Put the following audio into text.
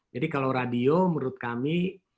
jadi kalau radio menurut kami